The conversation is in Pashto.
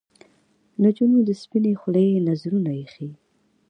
نجونو د سپنې خولې نذرونه ایښي